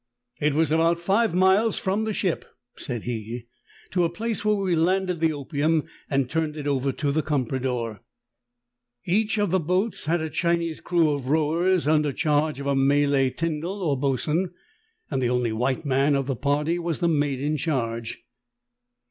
"It was about five miles from the ship, " said he, "to a place where we landed the opium and turned it over to the comprador. Each of the boats had a Chinese crew of rowers under charge of a Malay tyndal or boatswain, and the only white man of the party was the mate in charge.